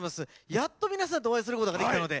やっと皆さんとお会いすることができたので。